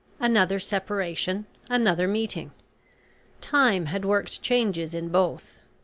Another separation another meeting. Time had worked changes in both.